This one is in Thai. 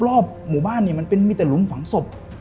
รอบหมู่บ้านเนี่ยมันมีแต่หลุมฝังศพ